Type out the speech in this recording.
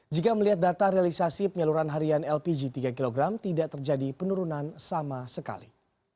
jika melihat data realisasi penyaluran harian lpg tiga kg tidak terjadi penurunan sama sekali